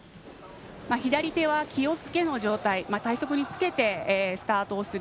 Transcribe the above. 左手は気をつけの状態体側につけてスタートをする。